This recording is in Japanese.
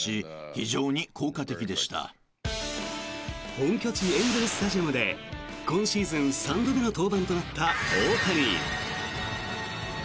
本拠地エンゼル・スタジアムで今シーズン３度目の登板となった大谷。